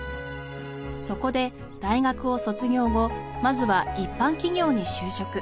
そこで大学を卒業後まずは一般企業に就職。